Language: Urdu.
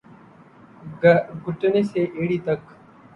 گھٹنے سے ایڑی تک